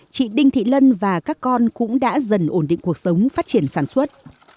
chị đinh thị lân và các con cũng đã dần ổn định cuộc sống phát triển sản xuất